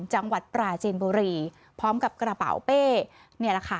จังหวัดปราจีนบุรีพร้อมกับกระเป๋าเป้นี่แหละค่ะ